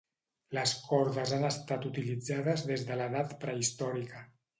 Les cordes han estat utilitzades des de l'edat prehistòrica.